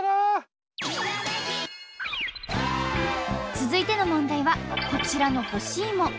続いての問題はこちらの干し芋。